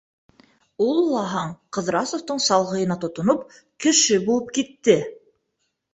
Ул лаһаң Ҡыҙрасовтың салғыйына тотоноп кеше булып китте.